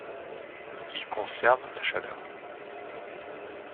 Ils conservent la chaleur.